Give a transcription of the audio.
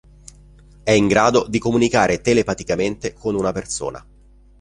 È in grado di comunicare telepaticamente con una persona.